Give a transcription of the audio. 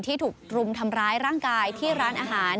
ถูกรุมทำร้ายร่างกายที่ร้านอาหาร